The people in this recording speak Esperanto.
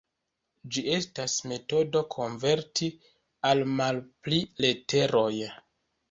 Ĝi estas metodo konverti al malpli leteroj.